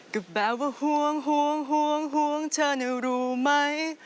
ก็แบบว่าห่วงห่วงห่วงเธอนี่รู้ไหม